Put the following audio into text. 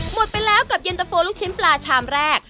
หมดไปแล้วกับเย็นตะโฟลูกชิ้นปลาชามแรก